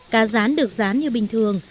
cá rán được rán như bình thường